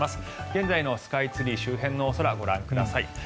現在のスカイツリー周辺の空ご覧ください。